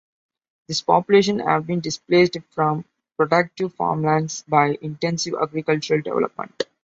These populations have been displaced from productive farmlands by intensive agricultural development.